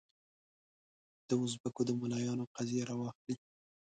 دوزبکو د ملایانو قضیه راواخلې.